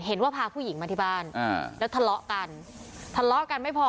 เห็นว่าพาผู้หญิงมาที่บ้านแล้วทะเลาะกันทะเลาะกันไม่พอ